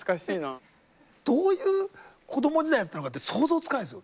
どういう子ども時代だったのかって想像つかないんですよ。